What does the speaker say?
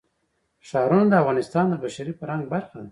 ښارونه د افغانستان د بشري فرهنګ برخه ده.